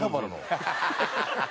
ハハハハ！